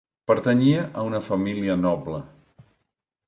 Pertanyia a una família noble.